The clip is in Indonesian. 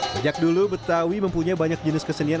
sejak dulu betawi mempunyai banyak jenis kesenian